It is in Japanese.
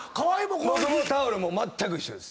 僕のタオルもまったく一緒です。